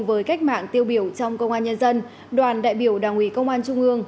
với cách mạng tiêu biểu trong công an nhân dân đoàn đại biểu đảng ủy công an trung ương